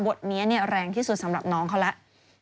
บทนี้แรงที่สุดสำหรับน้องเขาแล้ว